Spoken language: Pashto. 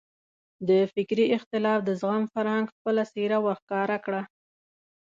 د فکري اختلاف د زغم فرهنګ خپله څېره وښکاره کړه.